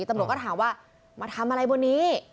ตำรวจก็ถามว่ามาทำอะไรบนนี้